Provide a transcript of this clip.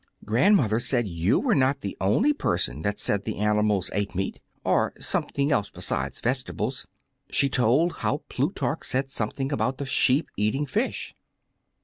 "Grandmother said you were not the only person that said the animals ate meat, or something else besides vegetables. She told how Plutarch said something about the sheep eating fish.'